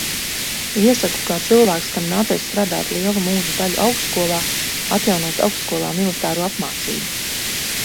Iesaku kā cilvēks, kam nācies strādāt lielu mūža daļu augstskolā, atjaunot augstskolā militāro apmācību.